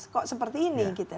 kok seperti ini